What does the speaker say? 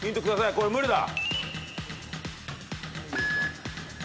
これ無理だ。